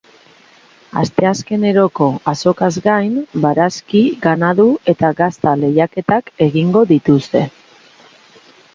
Asteazkeneroko azokaz gain, barazki, ganadu eta gazta lehiaketak egingo dituzte.